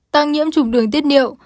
tăng nhiễm trùng đường tiết niệu